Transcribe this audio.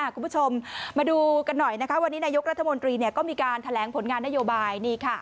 คุณผู้ชมมาดูกันหน่อยนะคะวันนี้นายกรัฐมนตรีก็มีการแถลงผลงานนโยบาย